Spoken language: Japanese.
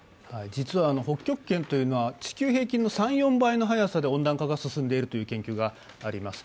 実は北極圏というのは地球平均の３４倍の速さで温暖化が進んでいるという研究があります。